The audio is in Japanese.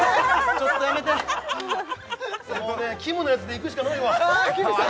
ちょっとやめてもうねきむのやつでいくしかないわわきむさん